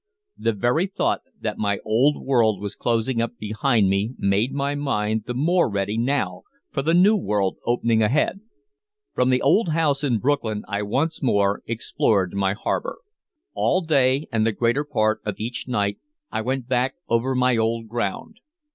The very thought that my old world was closing up behind me made my mind the more ready now for the new world opening ahead. From the old house in Brooklyn I once more explored my harbor. All day and the greater part of each night I went back over my old ground.